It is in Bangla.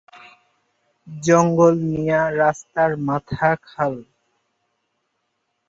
জঙ্গল মিয়া রাস্তার মাথা খাল।